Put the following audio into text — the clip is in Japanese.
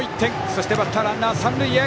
そしてバッターランナーは三塁へ。